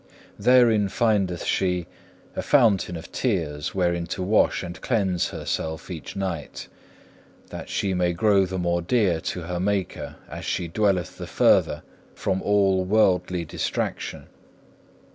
Therein findeth she a fountain of tears, wherein to wash and cleanse herself each night, that she may grow the more dear to her Maker as she dwelleth the further from all worldly distraction.